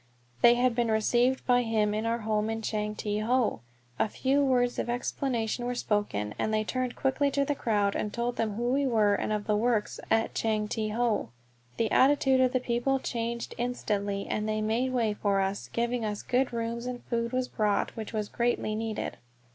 They had been received by him in our home at Chang Te Ho. A few words of explanation were spoken, then they turned quickly to the crowd and told them who we were and of the work at Chang Te Ho. The attitude of the people changed instantly, and they made way for us, giving us good rooms, and food was brought which was greatly needed.